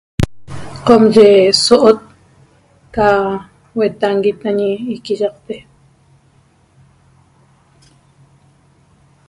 Qomyi so'ot ca huetanguit añi iquiyaqte